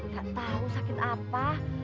gak tahu sakit apa